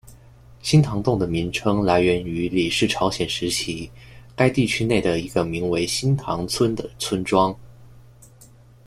新堂洞的名称来源于李氏朝鲜时期该地区内的一个名为新堂村的村庄。